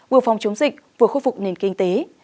vừa phòng chống dịch vừa khôi phục nền kinh tế